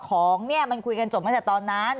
ของนี่มันคุยกันจบมาแต่ตอนน้าน